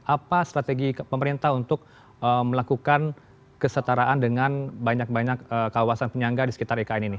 apa strategi pemerintah untuk melakukan kesetaraan dengan banyak banyak kawasan penyangga di sekitar ikn ini